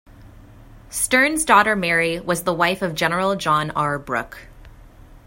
Stearns' daughter Mary was the wife of General John R. Brooke.